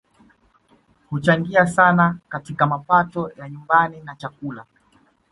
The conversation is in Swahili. Huchangia sana katika mapato ya nyumbani na chakula